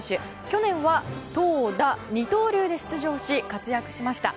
去年は投打二刀流で出場し活躍しました。